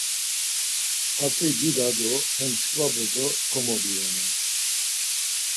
Hatzi bida do he mskva bozo komobiyona.